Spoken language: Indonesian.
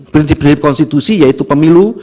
prinsip prinsip konstitusi yaitu pemilu